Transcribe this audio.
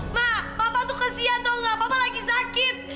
ma papa tuh kesian tau gak papa lagi sakit